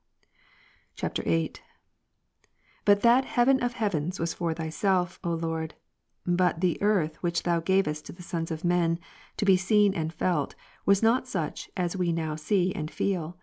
Ps. 115, [VIII.] 8. But that heaven o/ heavens ivas for Thyself, ^^' O Lord; but the earth which Thou gavest to the sons of men, to be seen and felt, was not such as we now see and feel.